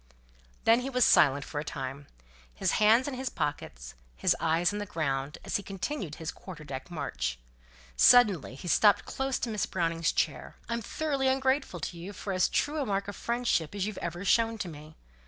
Then he was silent for a time; his hands in his pockets, his eyes on the ground, as he continued his quarter deck march. Suddenly he stopped close to Miss Browning's chair: "I'm thoroughly ungrateful to you, for as true a mark of friendship as you've ever shown to me.